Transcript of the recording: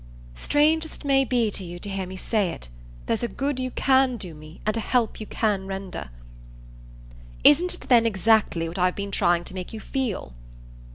"Strange as it may be to you to hear me say it, there's a good you can do me and a help you can render." "Isn't it then exactly what I've been trying to make you feel?"